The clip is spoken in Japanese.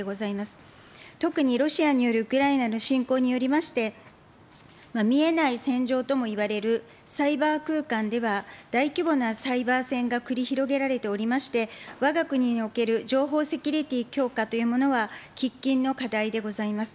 特にロシアによるウクライナの侵攻によりまして、見えない戦場ともいわれるサイバー空間では、大規模なサイバー戦が繰り広げられておりまして、わが国における情報セキュリティ強化というものは喫緊の課題でございます。